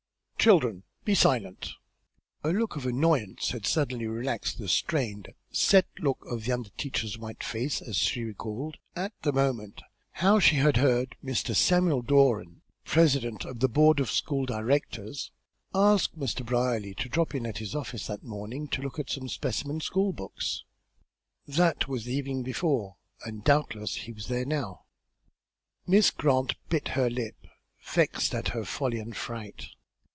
"Children, be silent!" A look of annoyance had suddenly relaxed the strained, set look of the under teacher's white face as she recalled, at the moment, how she had heard Mr. Samuel Doran president of the board of school directors ask Mr. Brierly to drop in at his office that morning to look at some specimen school books. That was the evening before, and, doubtless, he was there now. Miss Grant bit her lip, vexed at her folly and fright.